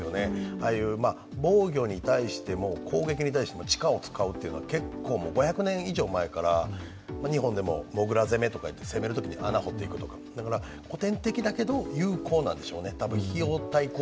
ああいう防御に対しても、攻撃に対しても地下を使うというのは結構５００年以上前から日本でも、もぐら攻めとか逃げるときに穴を掘っていくとか、古典的だけど有効なんでしょうね。